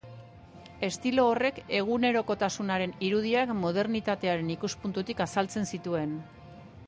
Estilo horrek egunerokotasunaren irudiak modernitatearen ikuspuntutik azaltzen zituen.